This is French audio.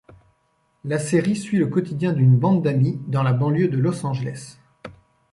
La série suit le quotidien d'une bande d'amis dans la banlieue de Los Angeles.